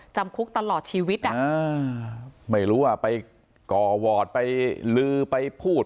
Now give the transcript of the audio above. จำคุกตลอดชีวิตอ่ะอ่าไม่รู้ว่าไปก่อวอร์ดไปลือไปพูด